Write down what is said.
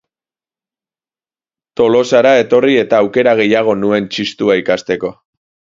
Tolosara etorri eta aukera gehiago nuen txistua ikasteko